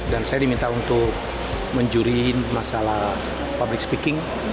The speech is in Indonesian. dan saya diminta untuk menjuri masalah public speaking